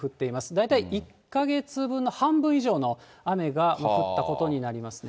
大体１か月分の半分以上の雨が降ったことになりますね。